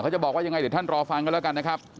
จะบอกว่ายังไงเดี๋ยวท่านรอฟังกันแล้วกันนะครับ